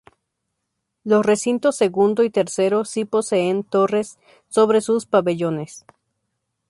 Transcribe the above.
Los recintos segundo y tercero sí poseen torres sobre sus pabellones.